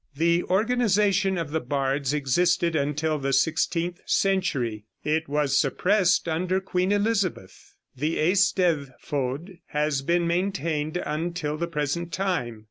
The organization of the bards existed until the sixteenth century; it was suppressed under Queen Elizabeth. The Eisteddfod has been maintained until the present time.